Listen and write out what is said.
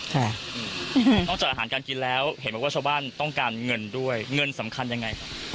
ค่ะต้องเจออาหารการกินแล้วเห็นว่าชาวบ้านต้องการเงินด้วยเงินสำคัญยังไงครับ